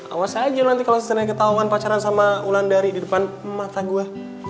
awas aja lo nanti kalau sesuai ketahuan pacaran sama ulan dari di depan mata gue